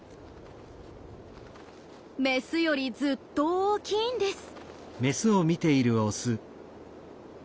メスよりずっと大きいんです。